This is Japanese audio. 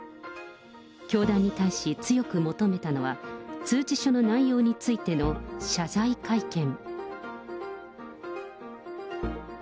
教団に対し強く求めたのは、通知書の内容についての謝罪会見。